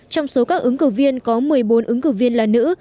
trong số các ứng cử viên có một mươi bốn ứng cử viên là nữ